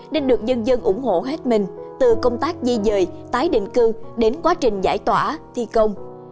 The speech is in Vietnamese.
nên được dân dân ủng hộ hết mình từ công tác di dời tái định cư đến quá trình giải tỏa thi công